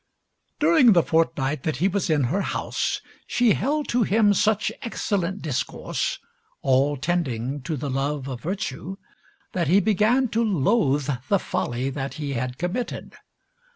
During the fortnight that he was in her house, she held to him such excellent discourse, all tending to the love of virtue, that he began to loathe the folly that he had committed.